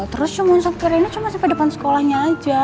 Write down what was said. terus cuma sopir ini cuma sampai depan sekolahnya aja